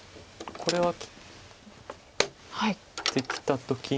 これは切ってきた時に。